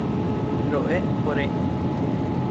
Ro'e ore.